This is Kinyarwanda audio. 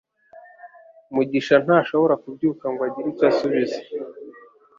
Mugisha ntashobora kubyuka ngo agire icyo asubiza